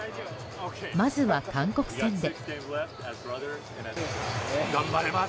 まずは韓国戦で。